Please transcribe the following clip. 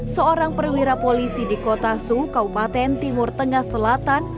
seorang perwira polisi di kota su kaupaten timur tengah selatan